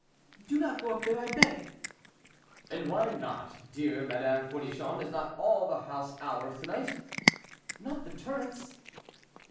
"Do not go up there, I beg!" "And why not, dear Madame Fournichon? is not all the house ours to night?"—"Not the turrets."